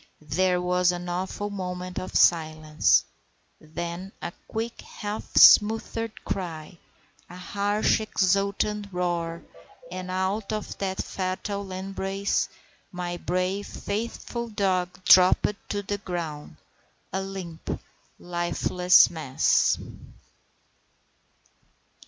There was an awful moment of silence, then a quick half smothered cry, a harsh exultant roar, and out of that fatal embrace my brave, faithful dog dropped to the ground, a limp, lifeless mass.